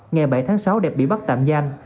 ngày bảy tháng sáu đẹp bị bắt tạm giam